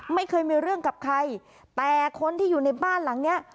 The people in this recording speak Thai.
ไม่เคยมีเรื่องกับใครแต่คนที่อยู่ในบ้านหลังเนี้ย